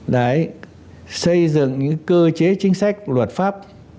đấy xây dựng những cơ chế chính sách luật pháp